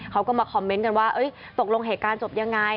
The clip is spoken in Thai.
เขาก็มาคอมเมนต์กันว่าตกลงเหตุการณ์จบยังไง